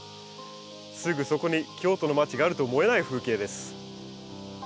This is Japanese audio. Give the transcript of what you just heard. すぐそこに京都の街があると思えない風景です。